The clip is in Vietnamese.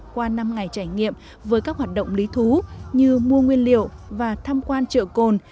qua năm ngày trải nghiệm với các hoạt động lý thú như mua nguyên liệu và tham quan trợ cồn